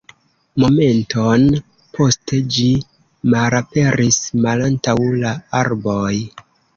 Momenton poste ĝi malaperis malantaŭ la arboj.